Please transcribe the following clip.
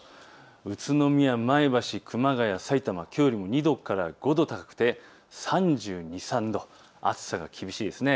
宇都宮、前橋、熊谷、さいたまきょうよりも２度から５度高くて３２、３度、暑さが響きですね。